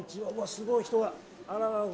すごい、人が。